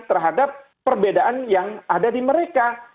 terhadap perbedaan yang ada di mereka